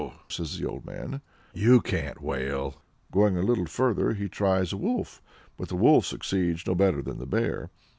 says the old man, "you can't wail." Going a little further he tries a wolf, but the wolf succeeds no better than the bear.